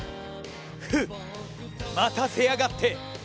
フッ待たせやがって！